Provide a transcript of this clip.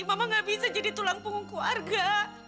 mama gak bisa jadi tulang punggung keluarga